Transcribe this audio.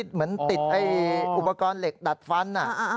เหมือนติดอุปกรณ์เหล็กดัดฟัน